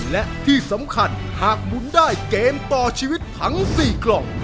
และที่สำคัญหากหมุนได้เกมต่อชีวิตทั้ง๔กล่อง